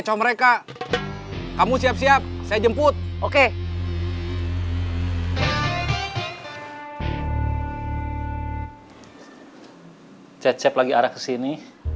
cecep lagi arah kesini